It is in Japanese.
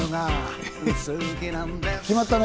決まったね！